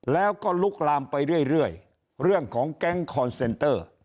แล้วก็ลุกลามไปเรื่อยเรื่องของแก๊งคอนเซนเตอร์